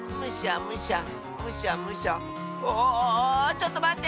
ちょっとまって！